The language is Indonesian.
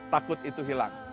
takut itu hilang